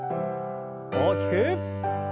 大きく。